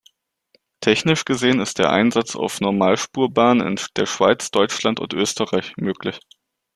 Technisch gesehen ist der Einsatz auf Normalspurbahnen in der Schweiz, Deutschland und Österreich möglich.